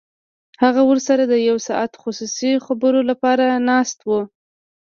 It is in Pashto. هغه ورسره د یو ساعته خصوصي خبرو لپاره ناست و